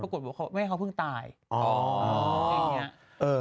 ปรากฏว่าแม่เขาเพิ่งตายอ๋ออย่างนี้